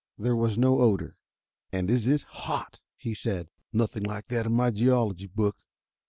There was no odor. "And is it hot!" he said. "Nothing like that in my geology book.